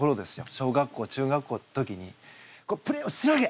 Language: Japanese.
小学校中学校の時にプレーをしのげ！